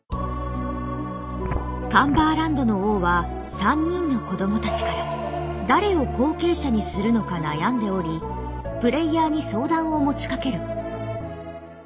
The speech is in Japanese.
カンバーランドの王は３人の子供たちから誰を後継者にするのか悩んでおりプレイヤーに相談を持ちかける。